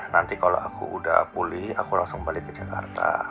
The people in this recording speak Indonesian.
nanti kalau aku udah pulih aku langsung balik ke jakarta